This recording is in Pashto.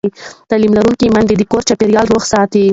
تعلیم لرونکې میندې د کور چاپېریال روغ ساتي.